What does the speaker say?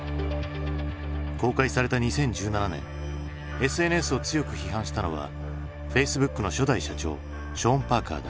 公開された２０１７年ＳＮＳを強く批判したのはＦａｃｅｂｏｏｋの初代社長ショーン・パーカーだ。